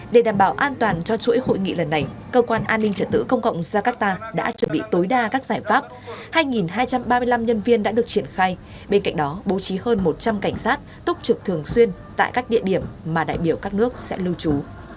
để đảm bảo an toàn cho chuỗi hội nghị lần này cơ quan an ninh trật tự công cộng jakarta đã chuẩn bị tối đa các giải pháp hai hai trăm ba mươi năm nhân viên đã được triển khai bên cạnh đó bố trí hơn một trăm linh cảnh sát túc trực thường xuyên tại các địa điểm mà đại biểu các nước sẽ lưu trú